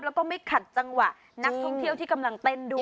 แล้วก็ไม่ขัดจังหวะนักท่องเที่ยวที่กำลังเต้นด้วย